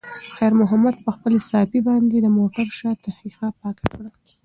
خیر محمد په خپلې صافې باندې د موټر شاته ښیښه پاکه کړه.